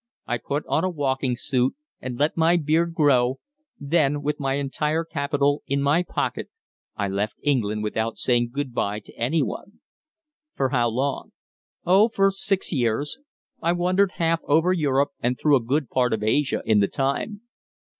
I put on a walking suit and let my beard grow; then, with my entire capital in my pocket, I left England without saying good bye to any one." "For how long?" "Oh, for six years. I wandered half over Europe and through a good part of Asia in the time."